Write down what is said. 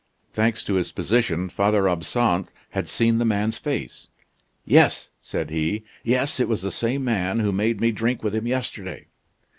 Thanks to his position, Father Absinthe had seen the man's face. "Yes," said he, "yes, it was the same man who made me drink with him yesterday."